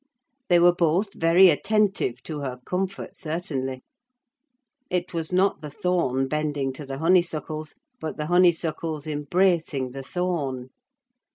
They were both very attentive to her comfort, certainly. It was not the thorn bending to the honeysuckles, but the honeysuckles embracing the thorn.